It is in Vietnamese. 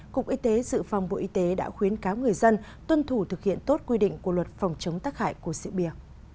cục y tế dự phòng bộ y tế đã khuyến cáo người dân tuân thủ thực hiện tốt quy định của luật phòng chống tắc hại của rượu bia